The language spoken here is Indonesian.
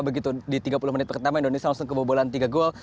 begitu di tiga puluh menit pertama indonesia langsung kebobolan tiga gol